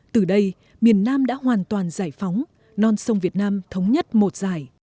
từ đây miền nam đã hoàn toàn giải phóng non sông việt nam thống nhất một giải